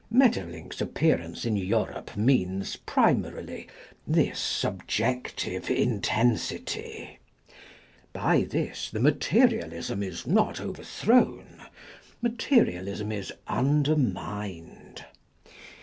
Maeterlinck's appearance in Europe means primarily this subjective intensity ; by this the materialism is not overthrown : materialism is undermined.